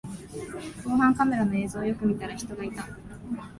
防犯カメラの映像をよく見たら人がいた